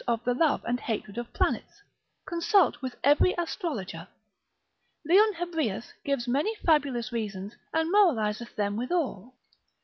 of the love and hatred of planets, consult with every astrologer. Leon Hebreus gives many fabulous reasons, and moraliseth them withal.